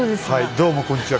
どうもこんにちは。